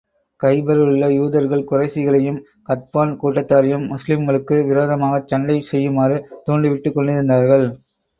கைபரிலுள்ள யூதர்கள் குறைஷிகளையும், கத்பான் கூட்டத்தாரையும், முஸ்லிம்களுக்கு விரோதமாகச் சண்டை செய்யுமாறு தூண்டி விட்டுக் கொண்டிருந்தார்கள்.